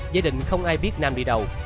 gia đình không ai biết nam đi đâu